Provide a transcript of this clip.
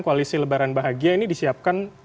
koalisi lebaran bahagia ini disiapkan